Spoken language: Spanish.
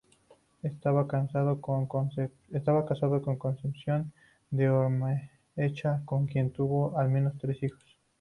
Estaba casado con Concepción de Ormaechea, con quien tuvo al menos tres hijos.